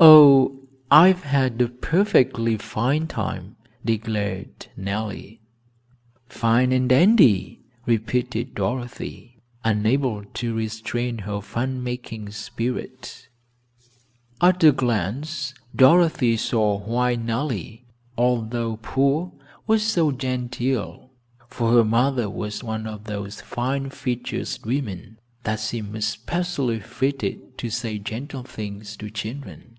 "Oh, I've had a perfectly fine time," declared Nellie. "Fine and dandy," repeated Dorothy, unable to restrain her fun making spirit. At a glance Dorothy saw why Nellie, although poor, was so genteel, for her mother was one of those fine featured women that seem especially fitted to say gentle things to children.